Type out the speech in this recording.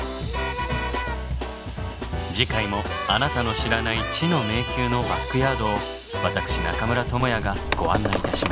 次回もあなたの知らない知の迷宮のバックヤードを私中村倫也がご案内いたします。